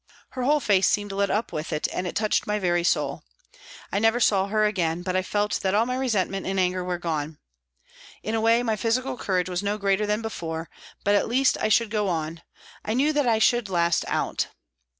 Her whole face seemed lit up with it and it touched my very soul. I never saw her again, but I felt that all my resentment and anger were gone. In a way my physical courage was no greater than before, but at least I should go on ; I knew that I should last out.